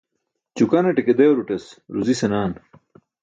Ćukanaṭe ke dewrutas ruzi senaaan.